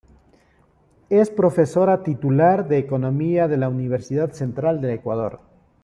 Es profesora titular de economía de la Universidad Central de Ecuador.